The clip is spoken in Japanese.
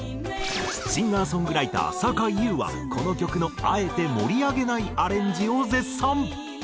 シンガー・ソングライターさかいゆうはこの曲のあえて盛り上げないアレンジを絶賛。